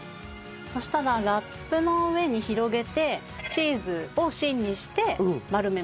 そしたらラップの上に広げてチーズを芯にして丸めます。